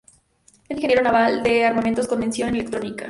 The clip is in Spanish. Es Ingeniero Naval de Armamentos con mención en Electrónica.